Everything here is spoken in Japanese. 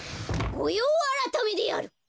ごようあらためである！